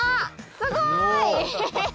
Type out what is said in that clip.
すごい！